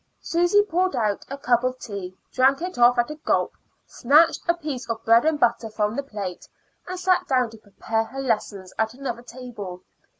Susy poured out a cup of tea, drank it off at a gulp, snatched a piece of bread and butter from the plate, and sat down to prepare her lessons at another table.